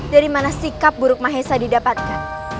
dari mana sikap buruk mahesa didapatkan